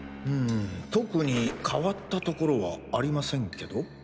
うん特に変わったところはありませんけど。